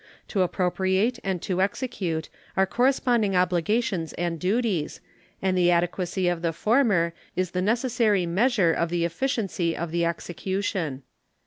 To appropriate and to execute are corresponding obligations and duties, and the adequacy of the former is the necessary measure of the efficiency of the execution.